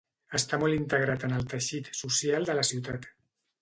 Està molt integrat en el teixit social de la ciutat.